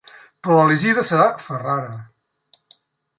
Però l'elegida serà Ferrara.